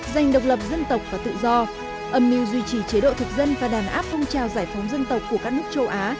dành độc lập dân tộc và tự do âm mưu duy trì chế độ thực dân và đàn áp phong trào giải phóng dân tộc của các nước châu á